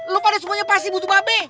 lo pada semuanya pasti butuh babe